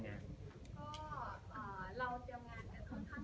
มาทางที่ม่านไปแล้วเป็นยังไงบ้างค่ะการเตรียมงาน